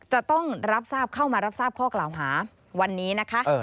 จะต้องเข้ามารับทราบข้อกล่าวหาวันนี้นะครับ